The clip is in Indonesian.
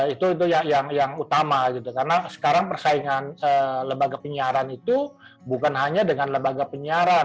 itu yang utama karena sekarang persaingan lembaga penyiaran itu bukan hanya dengan lembaga penyiaran